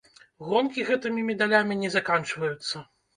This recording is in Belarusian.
Гонкі гэтымі медалямі не заканчваюцца.